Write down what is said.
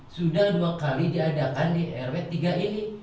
sudah dua kali diadakan di rw tiga ini